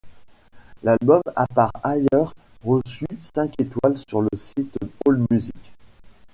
L'album a par ailleurs reçu cinq étoiles sur le site AllMusic.